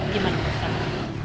gimana menurut kamu